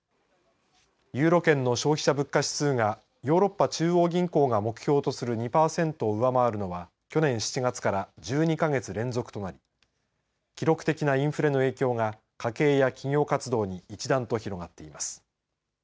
ユーロ圏の消費者物価指数がヨーロッパ中央銀行が目標とする２パーセントを上回るのは去年７月から１２か月連続となり記録的なインフレの影響が家計や企業活動に一段と広がっています。